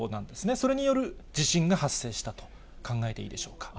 それによる地震が発生したと考えていいでしょうか。